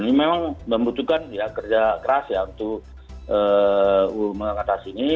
memang membutuhkan kerja keras ya untuk mengatasi ini